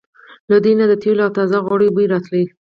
له دوی نه د تېلو او تازه غوړیو بوی راته.